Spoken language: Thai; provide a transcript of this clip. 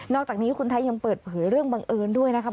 อกจากนี้คุณไทยยังเปิดเผยเรื่องบังเอิญด้วยนะครับ